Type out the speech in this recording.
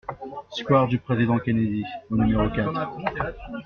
Square du Président Kennedy au numéro quatre